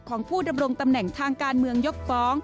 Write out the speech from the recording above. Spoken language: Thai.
ของผู้ดำรงตำแหน่งทางการเมืองยกฟ้อง